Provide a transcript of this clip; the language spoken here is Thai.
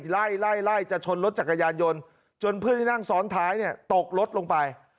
ไล่ไล่จะชนรถจักรยานยนต์จนเพื่อนที่นั่งซ้อนท้ายเนี่ยตกรถลงไป